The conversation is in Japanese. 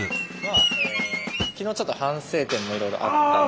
昨日ちょっと反省点もいろいろあったんで。